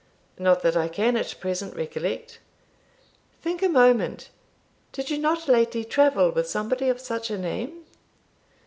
"Not that I can at present recollect." "Think a moment. Did you not lately travel with somebody of such a name?"